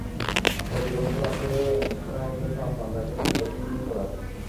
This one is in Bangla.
কবি বন্ধুরা, আসরে অংশ নেওয়ার জন্য আপনার লেখা কবিতাটি নিয়ে চলে আসুন।